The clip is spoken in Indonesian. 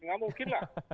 enggak mungkin lah